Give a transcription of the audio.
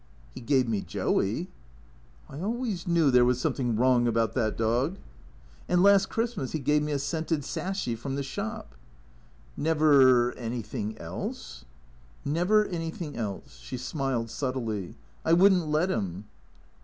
" He gave me Joey." " I always knew there was something wrong about that dog." " And last Christmas he gave me a scented sashy from the shop." " Never — anything else ?"" Never anything else." She smiled subtly. " I would n't let 'im."